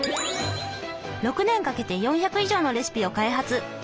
６年かけて４００以上のレシピを開発。